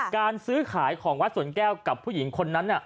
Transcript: การซื้อขายของวัดสวนแก้วกับผู้หญิงคนนั้น